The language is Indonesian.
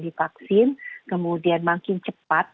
divaksin kemudian makin cepat